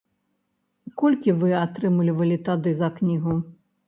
Колькі вы атрымлівалі тады за кнігу?